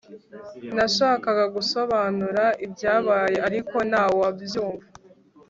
Nashakaga gusobanura ibyabaye ariko ntawabyumva